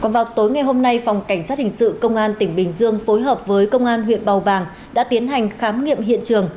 vào tối ngày hôm nay phòng cảnh sát hình sự công an tỉnh bình dương phối hợp với công an huyện bào bàng đã tiến hành khám nghiệm hiện trường